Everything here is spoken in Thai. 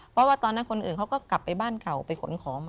เพราะว่าตอนนั้นคนอื่นเขาก็กลับไปบ้านเก่าไปขนของมา